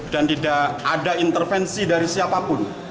dan tidak ada intervensi dari siapapun